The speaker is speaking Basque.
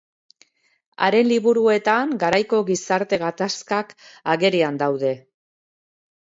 Haren liburuetan garaiko gizarte gatazkak agerian daude.